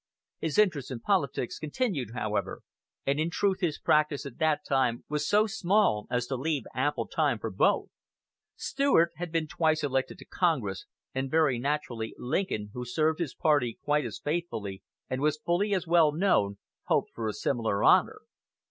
His interest in politics continued, however, and in truth his practice at that time was so small as to leave ample time for both. Stuart had been twice elected to Congress, and very naturally Lincoln, who served his party quite as faithfully, and was fully as well known, hoped for a similar honor.